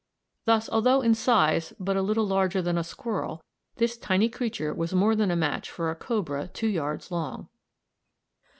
Thus, although in size but a little larger than a squirrel, this tiny creature was more than a match for a cobra two yards long.